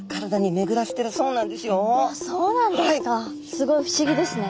すごい不思議ですね。